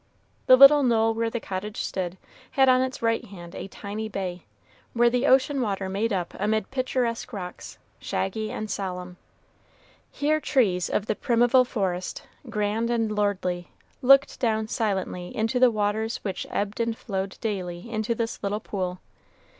The little knoll where the cottage stood had on its right hand a tiny bay, where the ocean water made up amid picturesque rocks shaggy and solemn. Here trees of the primeval forest, grand and lordly, looked down silently into the waters which ebbed and flowed daily into this little pool.